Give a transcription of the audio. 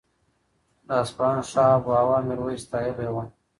د اصفهان ښه آب و هوا میرویس ستایلې وه.